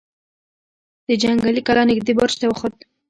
د جنګي کلا نږدې برج ته وخوت.